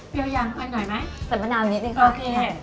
เฟียร์ยังค่อยหน่อยไหมสั่นมะนาวนิดหน่อยค่ะโอเค